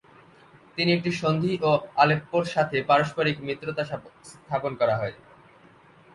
তিনি একটি সন্ধি ও আলেপ্পোর সাথে পারস্পরিক মিত্রতা স্থাপন করা হয়।